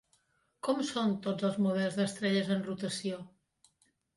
Com són tots els models d'estrelles en rotació?